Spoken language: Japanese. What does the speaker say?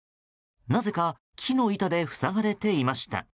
なぜか木の板で塞がれていました。